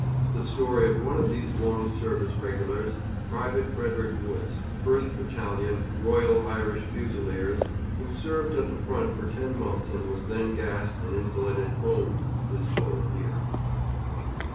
The story of one of these long service Regulars Private Frederick Woods, 1st Battalion Royal Irish Fusiliers who served at the front for ten months and was then gassed and invalided home, is told here.